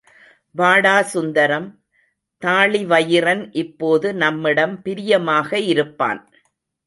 வாடா சுந்தரம், தாழிவயிறன் இப்போது நம்மிடம் பிரியமாக இருப்பான்.